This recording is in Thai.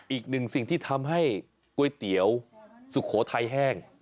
อีกหนึ่งสิ่งที่ทำให้ก๋วยเตี๋ยวสุโขทัยแห้ง